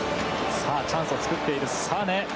チャンスを作っている。